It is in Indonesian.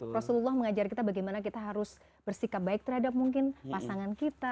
rasulullah mengajar kita bagaimana kita harus bersikap baik terhadap mungkin pasangan kita